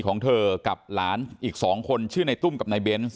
ของเธอกับหลานอีก๒คนชื่อในตุ้มกับนายเบนส์